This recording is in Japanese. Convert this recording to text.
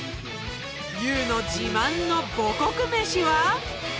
ＹＯＵの自慢の母国メシは？